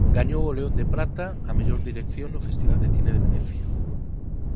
Gañou o León de Prata á mellor dirección no Festival de Cine de Venecia.